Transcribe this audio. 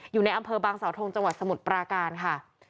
อยู่ในอำเภอบางสาวทงจังหวัดสมุทรปราการค่ะ